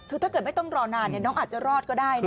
คือถ้าเกิดไม่ต้องรอนานน้องอาจจะรอดก็ได้